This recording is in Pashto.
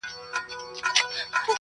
• جهنم ته چي د شیخ جنازه یوسي -